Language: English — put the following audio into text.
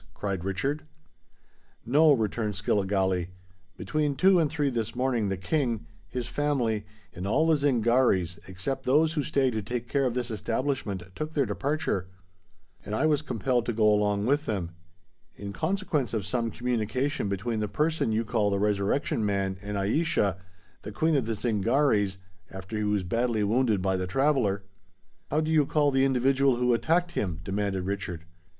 cried Richard. "No," returned Skilligalee. "Between two and three this morning the King, his family, and all the Zingarees, except those who stay to take care of this establishment, took their departure; and I was compelled to go along with them. In consequence of some communication between the person you call the Resurrection Man and Aischa, the Queen of the Zingarees, after he was badly wounded by the Traveller——" "How do you call the individual who attacked him?" demanded Richard.